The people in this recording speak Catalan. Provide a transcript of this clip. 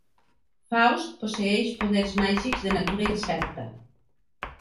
Faust posseeix poders màgics de natura incerta.